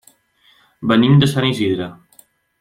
Venim de Sant Isidre.